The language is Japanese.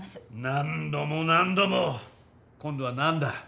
何度も何度も今度は何だ！？